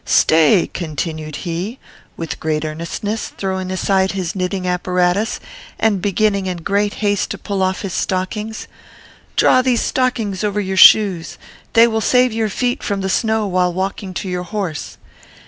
'Stay,' continued he, with great earnestness, throwing aside his knitting apparatus, and beginning in great haste to pull off his stockings. 'Draw these stockings over your shoes. They will save your feet from the snow while walking to your horse.'